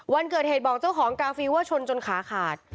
วันเกิดเหตุบอกเจ้าของกาฟิลว่าชนจนขาขาด